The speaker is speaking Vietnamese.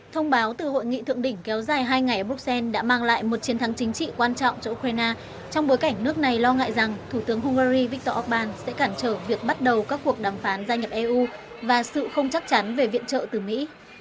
thông báo từ hội nghị thượng đỉnh kéo dài hai ngày ở bruxelles đã mang lại một chiến thắng chính trị quan trọng cho ukraine trong bối cảnh nước này lo ngại rằng thủ tướng hungary viktor orbán sẽ cản trở việc bắt đầu các cuộc đàm phán gia nhập eu và sự không chắc chắn về viện trợ từ mỹ